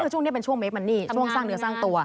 ช่วงนี้เป็นช่วงเคมันนี่ช่วงสร้างเนื้อสร้างตัว